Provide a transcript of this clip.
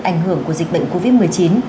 ảnh hưởng của dịch bệnh covid một mươi chín